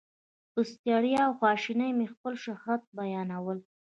په ستړیا او خواشینۍ مې خپل شهرت بیانول.